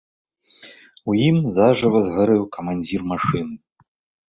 У ім зажыва згарэў камандзір машыны.